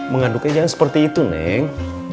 mengaduknya jangan seperti itu neng